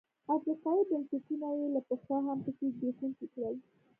افریقايي بنسټونه یې له پخوا هم پسې زبېښونکي کړل.